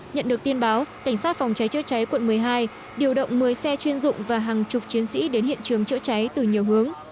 nhận được tin báo cảnh sát phòng cháy chữa cháy quận một mươi hai điều động một mươi xe chuyên dụng và hàng chục chiến sĩ đến hiện trường chữa cháy từ nhiều hướng